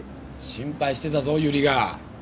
心配してたぞ由理が。